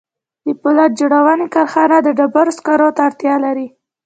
د پولاد جوړونې کارخانه د ډبرو سکارو ته اړتیا لري